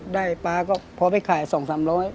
ได้ป๊าก็พอไปขายสองสามร้อย